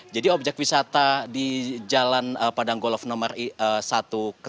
jadi objek wisata di jalan padang golf nomor satu kecantikan